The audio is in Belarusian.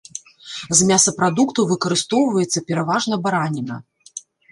З мясапрадуктаў выкарыстоўваецца пераважна бараніна.